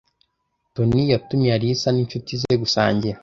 Toni yatumiye Alice n'inshuti ze gusangira.